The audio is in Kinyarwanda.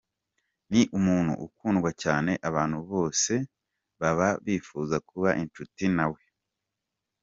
Ni umuntu ukundwa cyane, abantu bose baba bifuza kuba inshuti na we.